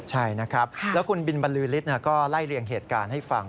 ใช่นะครับแล้วคุณบินบรรลือฤทธิ์ก็ไล่เลี่ยงเหตุการณ์ให้ฟัง